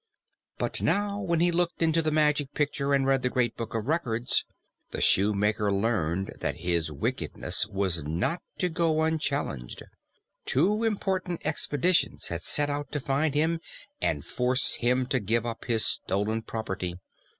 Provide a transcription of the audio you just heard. But now, when he looked into the Magic Picture and read the Great Book of Records, the Shoemaker learned that his wickedness was not to go unchallenged. Two important expeditions had set out to find him and force him to give up his stolen property.